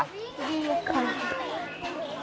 ดีกว่า